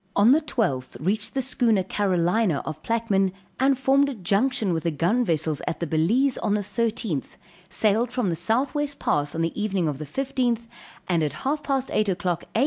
On the 12th, reached the schooner Carolina, of Plaquemine, and formed a junction with the gun vessels at the Balize on the 13th, sailed from the southwest pass on the evening of the 15th, and at half past 8 o'clock, A.